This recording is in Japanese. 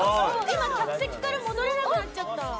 今、客席から戻れなくなっちゃった。